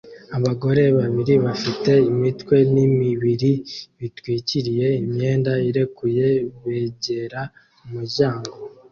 Abagore babiri bafite imitwe n'imibiri bitwikiriye imyenda irekuye begera umuryango